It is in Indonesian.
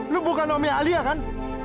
lu bukan omnya ahli ya kan